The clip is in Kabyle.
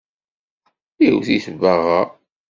Iwwet-it baɣa.